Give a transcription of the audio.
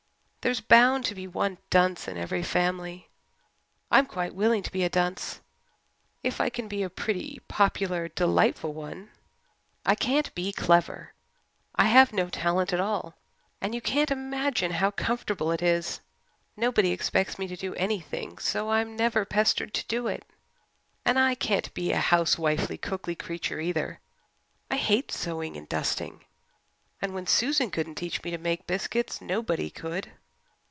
There's bound to be one dunce in every family. I'm quite willing to be a dunce if I can be a pretty, popular, delightful one. I can't be clever. I have no talent at all, and you can't imagine how comfortable it is. Nobody expects me to do anything so I'm never pestered to do it. And I can't be a housewifely, cookly creature, either. I hate sewing and dusting, and when Susan couldn't teach me to make biscuits nobody could.